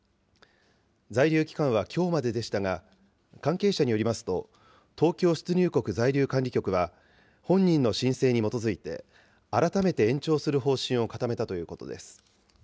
在留期間はきょうまででしたが、関係者によりますと、東京出入国在留管理局は、本人の申請に基づいて、改めて延長する方針を固めたということです。